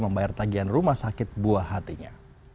membayar tagihan rumah sakit buah hatinya